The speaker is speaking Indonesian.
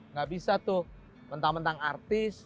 nggak bisa tuh mentang mentang artis